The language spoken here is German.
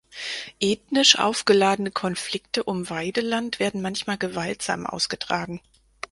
Ethnisch aufgeladene Konflikte um Weideland werden manchmal gewaltsam ausgetragen.